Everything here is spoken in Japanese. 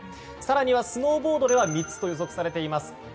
更にはスノーボードでは３つと予測されています。